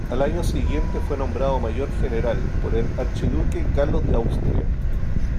Al año siguiente fue nombrado mayor general por el Archiduque Carlos de Austria.